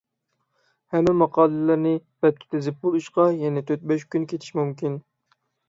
ھەممە ماقالىلەرنى بەتكە تىزىپ بولۇشقا يەنە تۆت-بەش كۈن كېتىشى مۇمكىن.